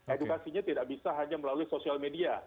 edukasinya tidak bisa hanya melalui sosial media